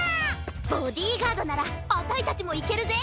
ボディーガードならあたいたちもいけるぜ！